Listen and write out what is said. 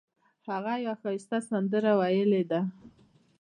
هغه یوه ښایسته سندره ویلې ده